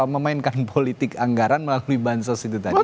memainkan politik anggaran melalui bansos